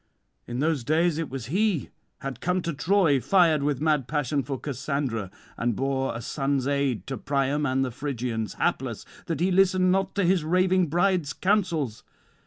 In those days it was he had come to Troy, fired with mad passion for Cassandra, and bore a son's aid to Priam and the Phrygians: hapless, that he listened not to his raving bride's counsels.